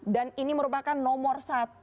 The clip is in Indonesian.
dan ini merupakan nomor satu